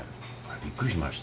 びっくりしました。